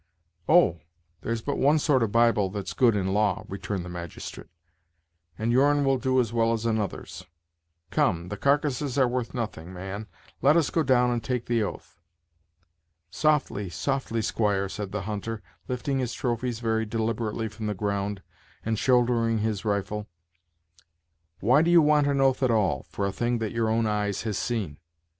"Oh! there's but one sort of Bible that's good in law," returned the magistrate, "and your'n will do as well as another's. Come, the carcasses are worth nothing, man; let us go down and take the oath." "Softly, softly, squire," said the hunter, lifting his trophies very deliberately from the ground, and shouldering his rifle; "why do you want an oath at all, for a thing that your own eyes has seen?